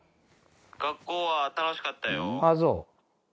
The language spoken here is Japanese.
「学校は楽しかったよ」ああそう？